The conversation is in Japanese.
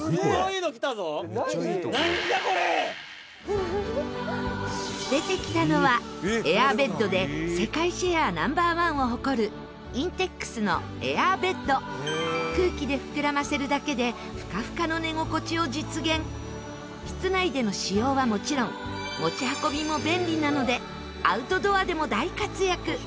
「なんじゃこれ！」出てきたのはエアーベッドで世界シェアナンバーワンを誇るＩＮＴＥＸのエアーベッド空気を膨らませるだけでフカフカの寝心地を実現室内での使用はもちろん持ち運びも便利なのでアウトドアでも大活躍